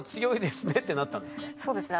そうですね。